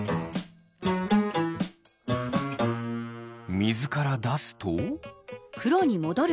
みずからだすと？